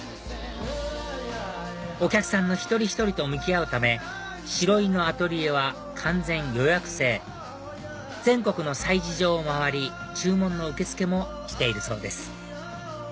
お客さんの一人一人と向き合うため白井のアトリエは完全予約制全国の催事場を回り注文の受け付けもしているそうです